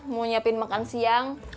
mau siapin makan siang